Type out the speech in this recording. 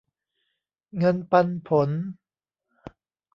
เงินปันผล